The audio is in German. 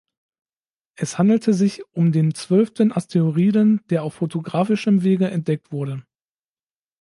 Es handelte sich um den zwölften Asteroiden, der auf fotografischem Wege entdeckt wurde.